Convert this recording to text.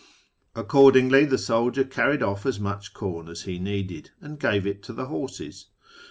Accordingly the soldier carried off as much corn as he needed, and gave it to the horses.